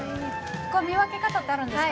見分け方ってあるんですか？